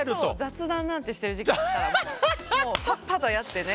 雑談なんてしてる時間あったらもうパッパとやってね。